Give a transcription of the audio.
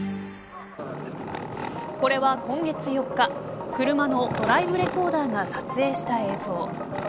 これは、今月４日車のドライブレコーダーが撮影した映像。